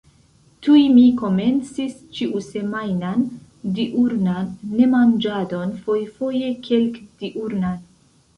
Tuj mi komencis ĉiusemajnan diurnan nemanĝadon, fojfoje kelkdiurnan.